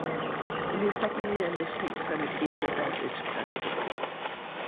In his second year in the state senate, he served as its president.